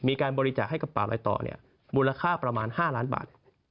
มีการบริจาคให้กับป่าลอยต่อมูลค่าประมาณ๕ล้านบาท